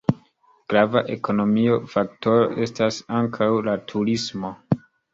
Grava ekonomia faktoro estas ankaŭ la turismo.